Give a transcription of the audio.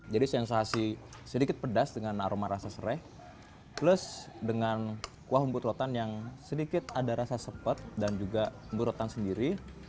jadi sensasi sedikit pedas dengan aroma rasa serai plus dengan kuah ubud rotan yang sedikit ada rasa sepet dan juga ubud rotan sendiri